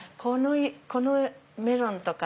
このメロンとか。